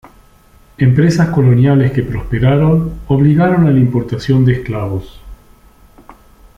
Empresas coloniales que prosperaron obligaron a la importación de esclavos.